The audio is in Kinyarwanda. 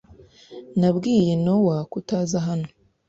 Nabwiye Nowa kutaza hano.